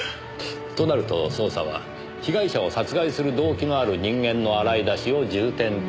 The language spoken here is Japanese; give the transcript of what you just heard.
となると捜査は被害者を殺害する動機のある人間の洗い出しを重点的にという事になりますね。